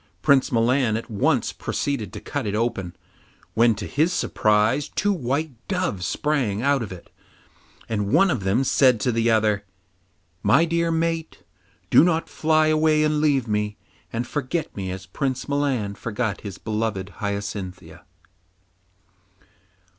Prince Milan at once proceeded to cut it open, when to his surprise two white doves sprang out of it, and one of them said to the other: 'My dear mate, do not fly away and leave me, and forget me as Prince Milan forgot his beloved Hyacinthia.